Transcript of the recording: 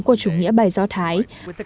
của chủ nghĩa bài do thái